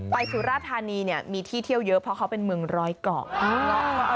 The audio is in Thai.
สุราธานีเนี่ยมีที่เที่ยวเยอะเพราะเขาเป็นเมืองร้อยเกาะ